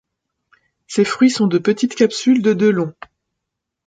Ses fruits sont de petites capsules de de long.